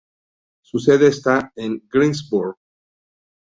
Su sede está en Greensburg.